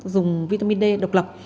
dùng vitamin d độc lập